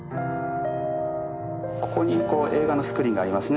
ここに映画のスクリーンがありますね。